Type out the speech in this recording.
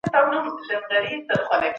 څېړونکی به د موضوع مخینه وګوري.